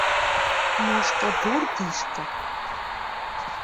Мо шкӏэ бур ди шкӏэ?